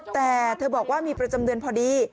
แต่เธอบอกว่ามีประจำเดือนพอดี